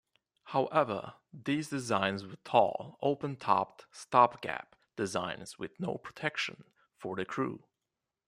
However, these designs were tall, open-topped stopgap designs with no protection for the crew.